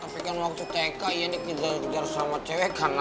tapi kan waktu teka iyan jalan jalan sama cewek karena